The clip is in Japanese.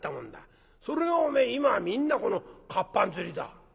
それがおめえ今はみんなこの活版刷りだ。